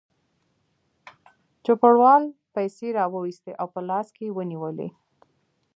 چوپړوال پیسې راوایستې او په لاس کې یې ونیولې.